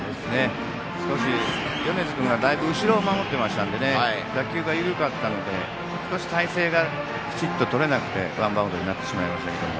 米津君がだいぶ後ろを守ってましたので打球が緩かったので少し体勢がきちっととれなくてワンバウンドになりましたけども。